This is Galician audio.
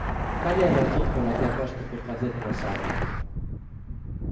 Cal é a razón pola que aposte por facer unha saga?